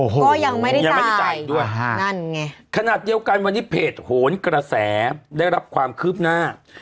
ก็ยังไม่ได้จ่ายด้วยคณะเดียวกันวันนี้เพจโหนกระแสได้รับความคืบหน้า